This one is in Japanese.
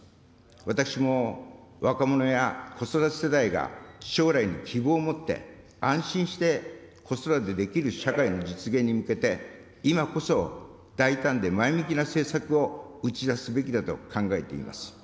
私も、若者や子育て世代が将来に希望を持って安心して子育てできる社会の実現に向けて、今こそ大胆で前向きな政策を打ち出すべきだと考えています。